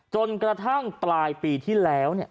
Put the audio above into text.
จนกระทั่งปลายปีที่แล้ว